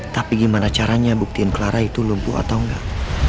tapi gimana caranya buktiin clara itu lumpuh atau enggak